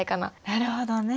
なるほどね。